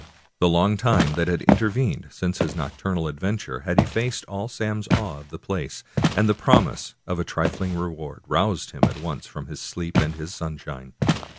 The long time that had intervened since his noc turnal adventure had effaced all Sam's awe of the place, and the promise of a trifling reward roused him at once from his sleep and his sunshine.